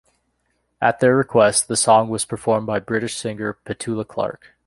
At their request, the song was performed by British singer Petula Clark.